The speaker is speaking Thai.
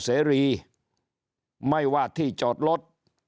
เสรีไม่ว่าที่จอดรถ